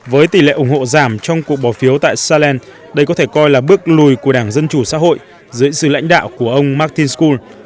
với tỷ lệ ủng hộ giảm trong cuộc bỏ phiếu tại sclen đây có thể coi là bước lùi của đảng dân chủ xã hội dưới sự lãnh đạo của ông martinsko